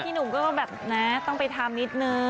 ที่หนูก็แบบนะต้องไปทำนิดนึง